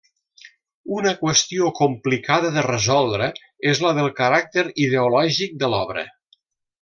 Una qüestió complicada de resoldre és la del caràcter ideològic de l'obra.